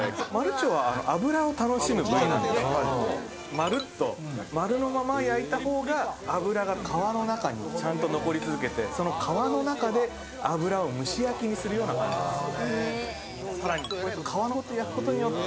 まるっとまるのまま焼いた方が脂が皮の中にちゃんと残り続けてその皮の中で脂を蒸し焼きにするような感じです。